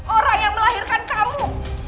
orang yang melahirkan kamu